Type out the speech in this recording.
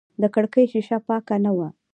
د کړکۍ شیشه پاکه نه وه.